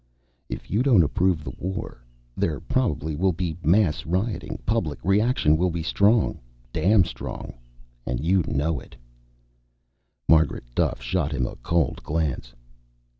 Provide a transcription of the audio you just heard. "If you don't approve the war, there probably will be mass rioting. Public reaction will be strong. Damn strong. And you know it." Margaret Duffe shot him a cold glance.